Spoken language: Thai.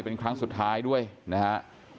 เป็นครั้งสุดท้ายด้วยนะฮะ